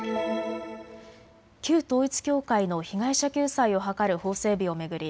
旧統一教会の被害者救済を図る法整備を巡り